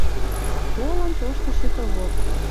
Толын тошты счетовод.